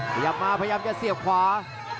พยายามมาพยายามจะเสียขวา